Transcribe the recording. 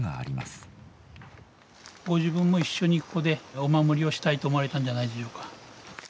ご自分も一緒にここでお守りをしたいと思われたんじゃないでしょうか。